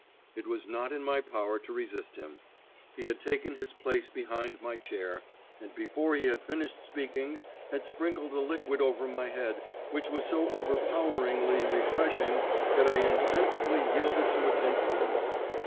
It was not in my power to resist him. He had taken his place behind my chair, and before he had finished speaking had sprinkled a liquid over my head which was so overpoweringly refreshing that I insensibly yielded to its influence.